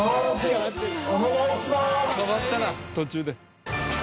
変わったな途中で。